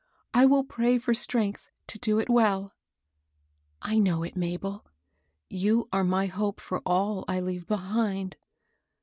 " I will pray for strength to do it well. I know it, Mabel. You are my hope for all I leave behind.